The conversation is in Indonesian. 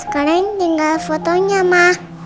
sekarang tinggal fotonya ma